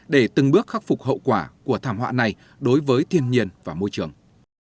để từng bước khắc phục hậu quả của thảm họa này đối với thiên nhiên và môi trường